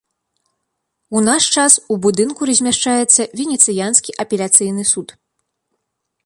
У наш час у будынку размяшчаецца венецыянскі апеляцыйны суд.